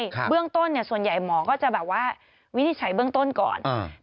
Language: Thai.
เบื้องต้นเนี่ยส่วนใหญ่หมอก็จะแบบว่าวินิจฉัยเบื้องต้นก่อนอืม